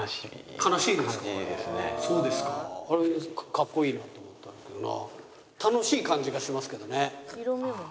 かっこいいなって思ったんだけどな。